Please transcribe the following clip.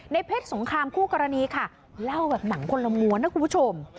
เพชรสงครามคู่กรณีค่ะเล่าแบบหนังคนละม้วนนะคุณผู้ชม